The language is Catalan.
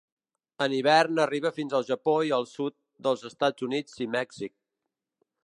En hivern arriba fins al Japó i el sud dels Estats Units i Mèxic.